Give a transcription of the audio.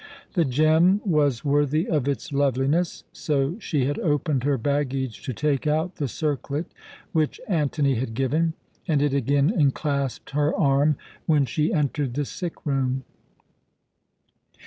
The gem was worthy of its loveliness. So she had opened her baggage to take out the circlet which Antony had given, and it again enclasped her arm when she entered the sick room.